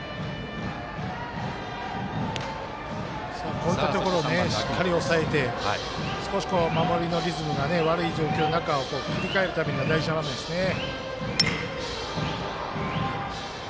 こういったところをしっかり抑えて少し守りのリズムが悪い状況の中切り替えるためには大事な場面ですね。